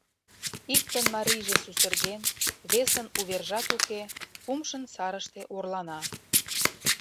Иктын марийже сусырген, весын увержат уке, кумшын сарыште орлана.